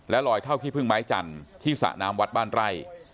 และลอยเท่าที่พึ่งไม้จันทร์ที่สะนามวัดบ้านไร่